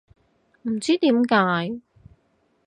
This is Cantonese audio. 唔知點解